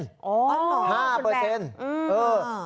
อ๋อสุดแบบอ๋อสุดแบบอืม